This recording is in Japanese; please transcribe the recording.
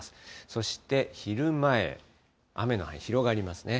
そして昼前、雨の範囲広がりますね。